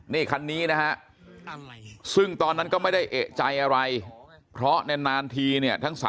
นี่คันนี้นะฮะซึ่งตอนนั้นก็ไม่ได้เอกใจอะไรเพราะนานทีเนี่ยทั้ง๓